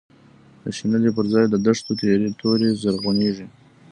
د شنلی پر ځای له دښتو، تیری توری زرغونیږی